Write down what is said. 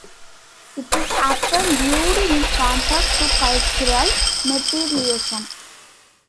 It is often viewed in contrast to cultural materialism.